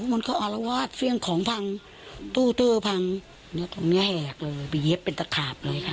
มันก็อารวาสเฟี่ยงของพังตู้เตอร์พังตรงเนี้ยแหกเลยไปเย็บเป็นตะขาบเลยค่ะ